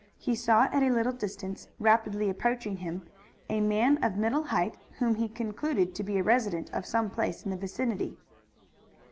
He saw at a little distance, rapidly approaching him, a man of middle height whom he concluded to be a resident of some place in the vicinity.